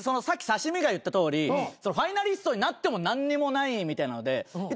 さっき刺身が言ったとおりファイナリストになっても何にもないみたいなので。